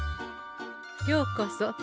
ようこそ銭